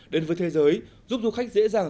đến với thế giới giúp du khách dễ dàng